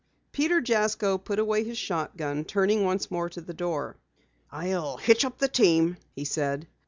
Peter Jasko put away his shotgun, turning once more to the door. "I'll hitch up the team," he said.